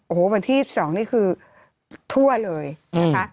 โอ้โหวันที่๒นี่คือทั่วเลยนะคะ